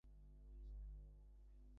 যেন গানের মতো।